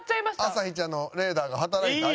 朝日ちゃんのレーダーが働いた？